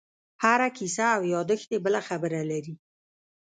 هره کیسه او یادښت یې بله خبره لري.